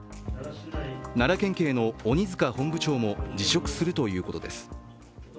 奈良県警の鬼塚本部長も辞職ということです。